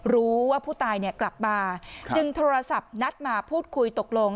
รู้ว่าผู้ตายกลับมาจึงโทรศัพท์นัดมาพูดคุยตกลง